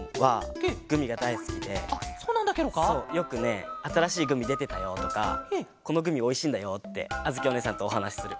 そうよくね「あたらしいグミでてたよ」とか「このグミおいしいんだよ」ってあづきおねえさんとおはなしする。